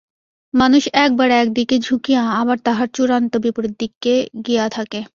মানুষ একবার একদিকে ঝুঁকিয়া আবার তাহার চূড়ান্ত বিপরীত দিকে গিয়া থাকে।